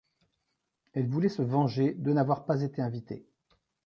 Elle voulait se venger de n'avoir pas été invitée.